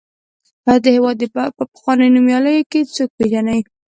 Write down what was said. تاسې د هېواد په پخوانیو نومیالیو کې څوک پیژنئ.